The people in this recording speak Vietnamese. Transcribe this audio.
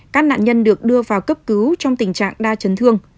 các nạn nhân được đưa vào cấp cứu trong tình trạng đa chấn thương